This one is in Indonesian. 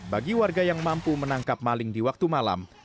bagi warga yang mampu menangkap maling di waktu malam